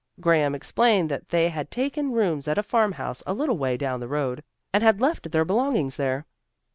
Graham explained that they had taken rooms at a farmhouse a little way down the road, and had left their belongings there.